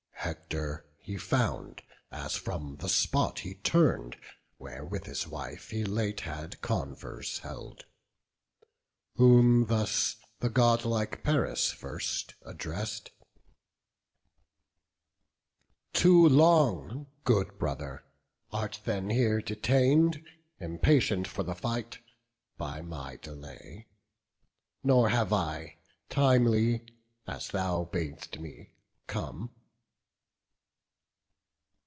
Hector he found, as from the spot he turn'd Where with his wife he late had converse held; Whom thus the godlike Paris first address'd: "Too long, good brother, art then here detain'd, Impatient for the fight, by my delay; Nor have I timely, as thou bad'st me, come."